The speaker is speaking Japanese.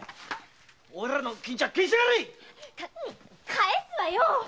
返すわよ！